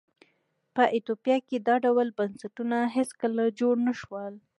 په ایتوپیا کې دا ډول بنسټونه هېڅکله جوړ نه شول.